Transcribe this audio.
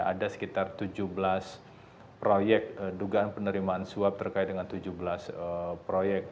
ada sekitar tujuh belas proyek dugaan penerimaan suap terkait dengan tujuh belas proyek